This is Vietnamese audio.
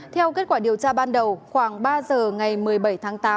theo kết quả điều tra ban đầu khoảng ba giờ ngày một mươi bảy tháng tám